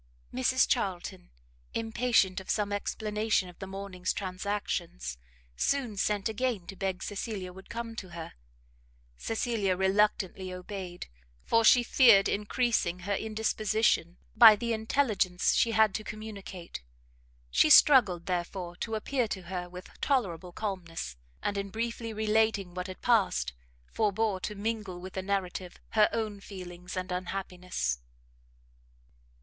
Mrs Charlton, impatient of some explanation of the morning's transactions, soon sent again to beg Cecilia would come to her. Cecilia reluctantly obeyed, for she feared encreasing her indisposition by the intelligence she had to communicate; she struggled, therefore, to appear to her with tolerable calmness, and in briefly relating what had passed, forbore to mingle with the narrative her own feelings and unhappiness.